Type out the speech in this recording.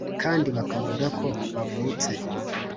kandi bakavuga ko bavutse